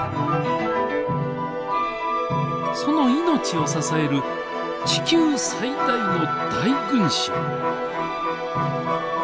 その命を支える地球最大の大群集。